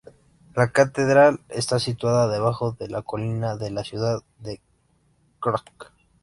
La catedral está situada debajo de la colina de la ciudad de Krk.